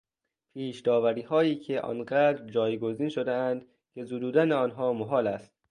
پیشداوریهایی که آنقدر جایگزین شدهاند که زدودن آنها محال است